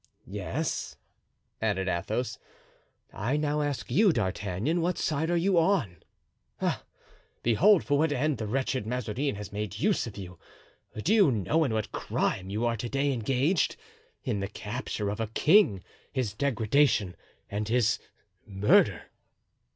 "Yes," added Athos, "I now ask you, D'Artagnan, what side you are on? Ah! behold for what end the wretched Mazarin has made use of you. Do you know in what crime you are to day engaged? In the capture of a king, his degradation and his murder."